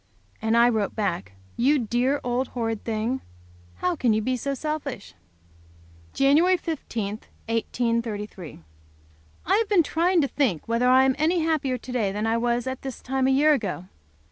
And I wrote back. "You dear old horrid thing. How can you be so selfish?" Jan. 15, 1833. I have been trying to think whether I am any happier to day than I was at this time a year ago.